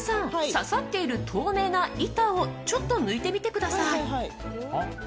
刺さっている透明な板をちょっと抜いてみてください。